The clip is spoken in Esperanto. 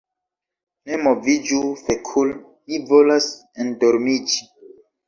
Ne moviĝu fekul' mi volas endormiĝi